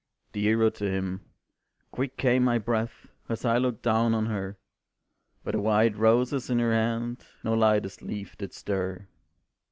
"Dearer to him," quick came my breath As I looked down on her, But the white roses in her hand No lightest leaf did stir.